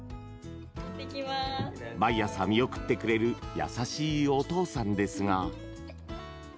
毎朝、見送ってくれる優しいお父さんですが。